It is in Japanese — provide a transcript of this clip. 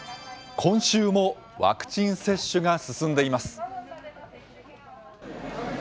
今週もワクチン接種が進んでいます。